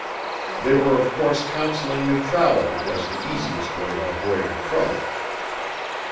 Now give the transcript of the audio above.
They were of course counseling neutrality as the easiest way of avoiding trouble.